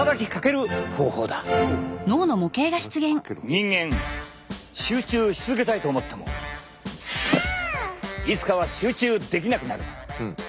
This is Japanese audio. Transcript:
人間集中し続けたいと思ってもいつかは集中できなくなるもの。